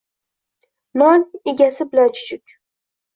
Non egasi bilan chuchuk!